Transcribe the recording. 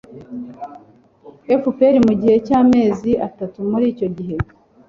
EPR mu gihe cy amezi atatu Muri icyo gihe